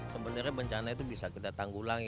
sebenarnya bencana itu bisa kita tanggulangi